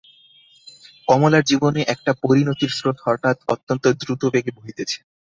কমলার জীবনে একটা পরিণতির স্রোত হঠাৎ অত্যন্ত দ্রুতবেগে বহিতেছে।